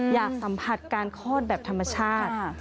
อยากสัมผัสการคลอดแบบธรรมชาติ